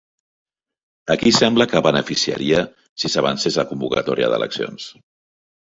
A qui sembla que beneficiaria si s'avancés la convocatòria d'eleccions?